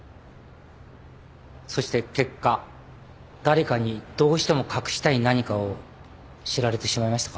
そして結果誰かにどうしても隠したい何かを知られてしまいましたか？